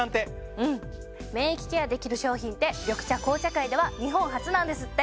うん免疫ケアできる商品って緑茶・紅茶界では日本初なんですって。